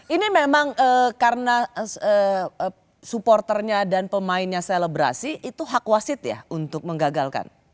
ini memang karena supporternya dan pemainnya selebrasi itu hak wasit ya untuk menggagalkan